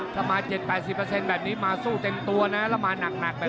ถ้ามา๗๘๐แบบนี้มาสู้เต็มตัวนะแล้วมาหนักเลย